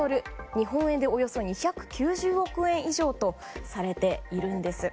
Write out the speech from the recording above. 日本円でおよそ２９０億円以上とされているんです。